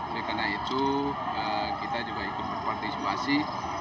oleh karena itu kita juga ikut berpartisipasi